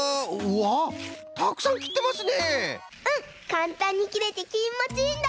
かんたんにきれてきもちいいんだ！